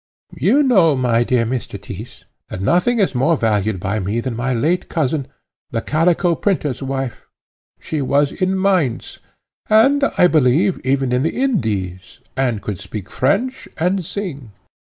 "You know, my dear Mr. Tyss, that nothing is more valued by me than my late cousin, the calico printer's wife. She was in Maintz, and, I believe, even in the Indies, and could speak French and sing.